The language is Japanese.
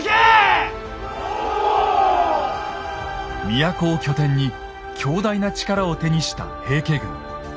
都を拠点に強大な力を手にした平家軍。